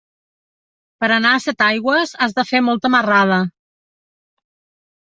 Per anar a Setaigües has de fer molta marrada.